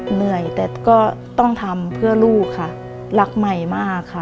เหนื่อยแต่ก็ต้องทำเพื่อลูกค่ะรักใหม่มากค่ะ